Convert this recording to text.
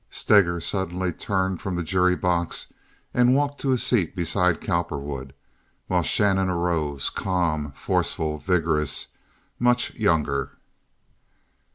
Steger suddenly turned from the jury box and walked to his seat beside Cowperwood, while Shannon arose, calm, forceful, vigorous, much younger.